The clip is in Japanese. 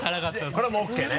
これはもうＯＫね？